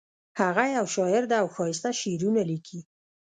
هغه یو شاعر ده او ښایسته شعرونه لیکي